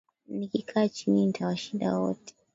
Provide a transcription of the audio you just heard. Nikikaa chini nitawashinda wote.